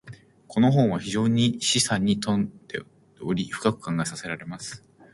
•この本は非常に示唆に富んでおり、深く考えさせられます。